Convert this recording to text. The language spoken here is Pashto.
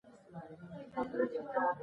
دوی وویل چې خج مهم دی.